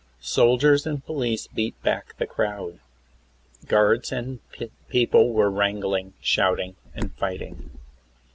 Soldiers and police beat back the crowd. Guards and people were wrangling, shouting and fighting.